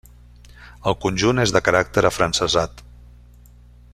El conjunt és de caràcter afrancesat.